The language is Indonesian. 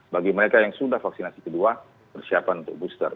bagi mereka yang sudah vaksinasi kedua persiapan untuk booster